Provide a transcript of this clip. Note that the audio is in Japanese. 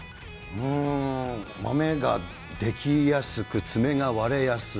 うーん、マメが出来やすく、爪が割れやすい。